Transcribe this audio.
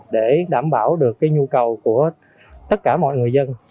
để đảm bảo được nhu cầu của tất cả mọi người dân